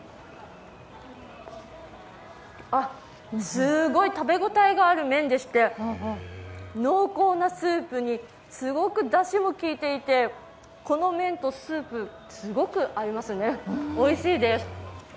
すごい食べ応えがある麺でして濃厚なスープに、すごくだしもきいていてこの麺とスープ、すごく合いますね、おいしいです。